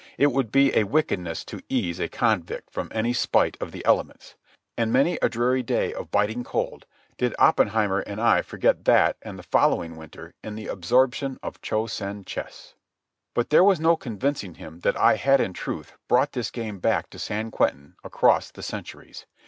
It would be a wickedness to ease a convict from any spite of the elements. And many a dreary day of biting cold did Oppenheimer and I forget that and the following winter in the absorption of Cho Sen chess. But there was no convincing him that I had in truth brought this game back to San Quentin across the centuries.